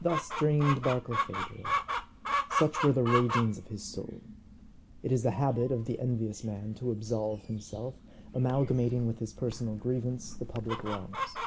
Thus dreamed Barkilphedro. Such were the ragings of his soul. It is the habit of the envious man to absolve himself, amalgamating with his personal grievance the public wrongs.